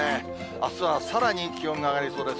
あすはさらに気温が上がりそうです。